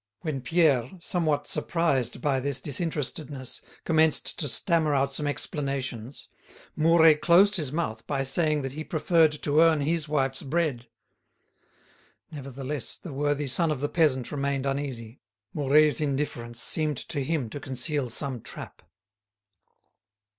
When Pierre, somewhat surprised by this disinterestedness, commenced to stammer out some explanations, Mouret closed his mouth by saying that he preferred to earn his wife's bread. Nevertheless the worthy son of the peasant remained uneasy; Mouret's indifference seemed to him to conceal some trap.